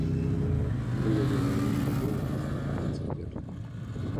У яе не вельмі добра з нагамі цяпер.